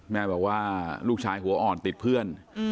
แม่บอกว่าลูกชายหัวอ่อนติดเพื่อน